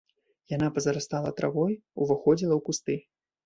Яна пазарастала травой, уваходзіла ў кусты.